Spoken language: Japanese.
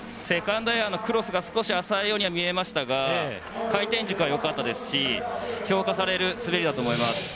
セカンドエアのクロスが少し浅いようには見えましたが回転軸が良かったですし評価される滑りだと思います。